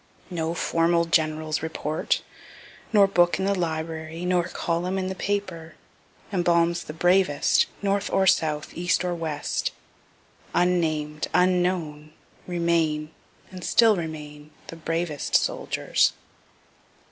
No formal general's report, nor book in the library, norcolumn in the paper, embalms the bravest, north or south, east or west. Unnamed, unknown, remain, and still remain, the bravest soldiers.